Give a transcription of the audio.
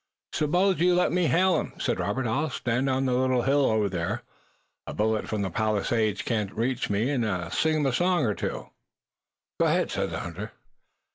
"Suppose you let me hail 'em," said Robert. "I'll stand on the little hill there a bullet from the palisades can't reach me and sing 'em a song or two." "Go ahead," said the hunter.